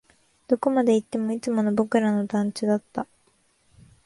どこまで行っても、いつもの僕らの団地だった